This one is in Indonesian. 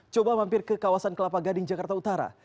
coba mampir ke kawasan kelapa gading jakarta utara